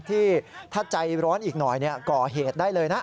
ที่ถ้าใจร้อนอีกหน่อยก่อเหตุได้เลยนะ